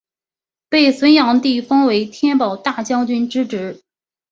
被隋炀帝封为天保大将军之职。